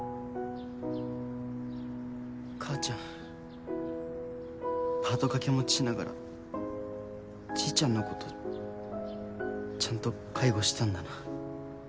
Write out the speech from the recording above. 母ちゃんパート掛け持ちしながらじいちゃんのことちゃんと介護してたんだな。